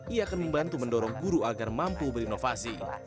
ia akan membantu mendorong guru agar mampu berinovasi